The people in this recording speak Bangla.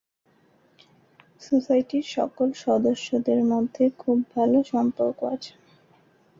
সোসাইটির সকল সদস্যদের মধ্যে খুব ভালো সম্পর্ক আছে।